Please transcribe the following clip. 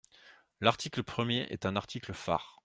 L’article premier est un article phare.